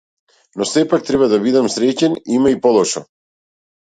Но сепак, треба да бидам среќен, има и полошо.